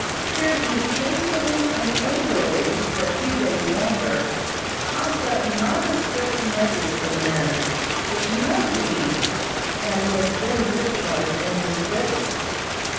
Here he hastily and angrily for a few days longer tossed up nondescript messes for the men, which none could eat, and was then discharged in disgrace.